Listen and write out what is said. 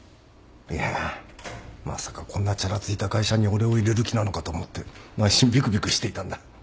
いやまさかこんなチャラついた会社に俺を入れる気なのかと思って内心びくびくしていたんだ。